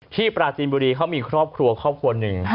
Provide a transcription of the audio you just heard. ปราจีนบุรีเขามีครอบครัวครอบครัวหนึ่ง